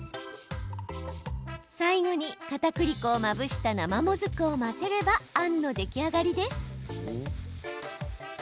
最後に、かたくり粉をまぶした生もずくを混ぜればあんの出来上がりです。